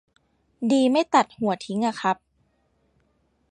ดีไม่ตัดหัวทิ้งอะครับ